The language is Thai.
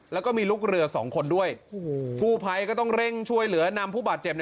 แล้วก็มีลูกเรือสองคนด้วยผู้ภัยก็ต้องเร่งช่วยเหลือนำผู้บาดเจ็บ